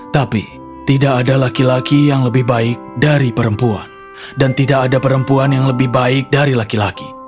tapi tidak ada laki laki yang lebih baik dari perempuan dan tidak ada perempuan yang lebih baik dari laki laki